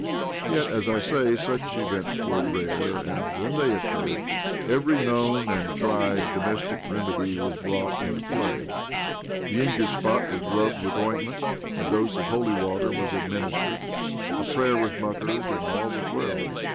Yet, as I say, such events were rare, and when they occurred, every known and tried domestic remedy was brought into play. The injured spot was rubbed with ointment, a dose of holy water was adtninistered, a prayer was muttered— and all was well.